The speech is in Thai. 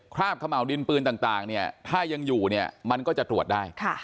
คราบเขมาดินปืนต่างนี่ถ้ายังอยู่มันก็จะตรวจได้